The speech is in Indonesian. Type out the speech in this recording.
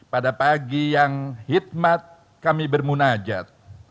pada pagi yang hikmat kami bermunajat